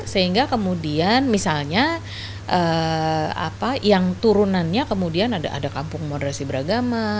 sehingga kemudian misalnya apa yang turunannya kemudian ada kampung moderasi beragama